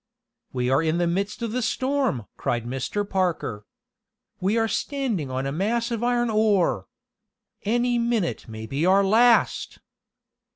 "We are in the midst of the storm!" cried Mr. Parker. "We are standing on a mass of iron ore! Any minute may be our last!"